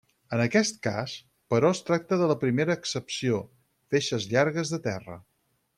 En aquest cas, però es tracta de la primera accepció: feixes llargues de terra.